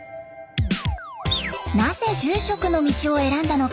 なぜ住職の道を選んだのか？